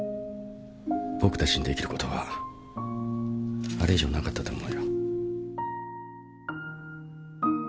僕たちにできることはあれ以上なかったと思うよ。